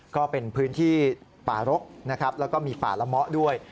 ก็เป็นพื้นที่ป่ารกนะครับแล้วก็มีป่าละเมาะด้วย